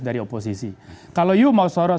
dari oposisi kalau you mau sorot